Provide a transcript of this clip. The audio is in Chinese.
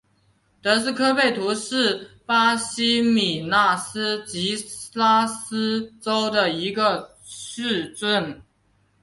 德斯科贝图是巴西米纳斯吉拉斯州的一个市镇。